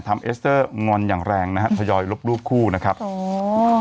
เอสเตอร์งอนอย่างแรงนะฮะทยอยลบรูปคู่นะครับโอ้